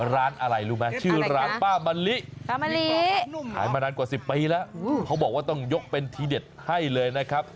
ร้านอะไรรู้ไหมชื่อร้านป้ามะลิป้ามะลิขายมานานกว่า๑๐ปีแล้วเขาบอกว่าต้องยกเป็นทีเด็ดให้เลยนะครับ